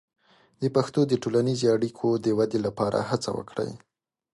د پښتو د ټولنیزې اړیکو د ودې لپاره هڅه وکړئ.